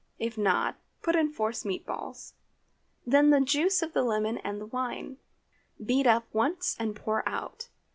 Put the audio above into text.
If not, put in force meat balls; then the juice of the lemon and the wine; beat up once and pour out.